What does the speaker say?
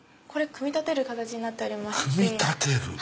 組み立てる？